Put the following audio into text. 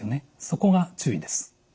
そこが注意です。